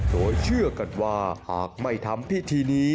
โดยเชื่อกันว่าหากไม่ทำพิธีนี้